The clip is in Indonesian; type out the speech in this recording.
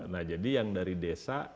nah jadi yang dari desa